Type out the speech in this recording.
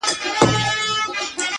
چې دا شاعري به یو وخت